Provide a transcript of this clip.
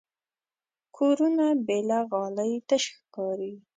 کورونه بې له غالۍ تش ښکاري.